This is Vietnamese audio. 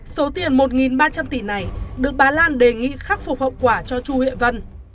số tiền một ba trăm linh tỷ này được bà lan đề nghị khắc phục hậu quả cho chu hệ vân